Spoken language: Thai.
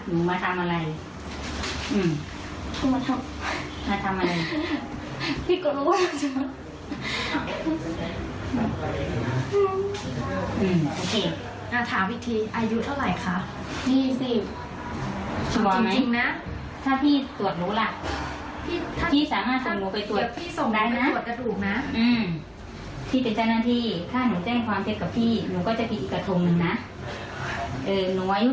อืมโอเค